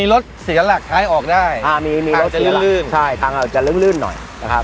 มีรถเสียหลักทางออกจะลึ้งหน่อย